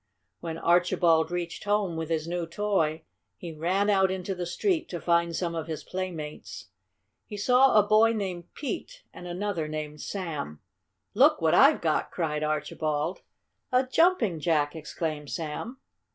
When Archibald reached home with his new toy he ran out into the street to find some of his playmates. He saw a boy named Pete and another named Sam. "Look what I've got!" cried Archibald. "A Jumping Jack!" exclaimed Sam.